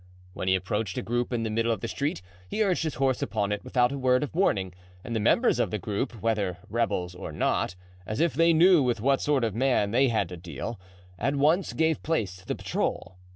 When he approached a group in the middle of the street he urged his horse upon it without a word of warning; and the members of the group, whether rebels or not, as if they knew with what sort of a man they had to deal, at once gave place to the patrol.